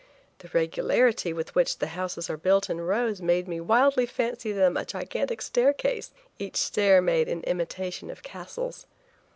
The regularity with which the houses are built in rows made me wildly fancy them a gigantic staircase, each stair made in imitation of castles.